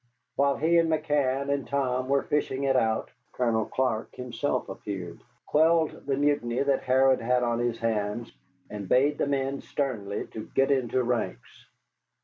While he and McCann and Tom were fishing it out, Colonel Clark himself appeared, quelled the mutiny that Harrod had on his hands, and bade the men sternly to get into ranks.